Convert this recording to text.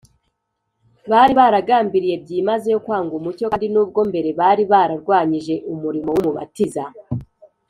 bari baragambiriye byimazeyo kwanga umucyo kandi nubwo mbere bari bararwanyije umurimo w’umubatiza,